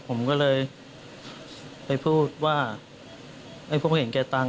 ผมก็เลยไปพูดว่าไงคนบ้างเผ็ดการตรง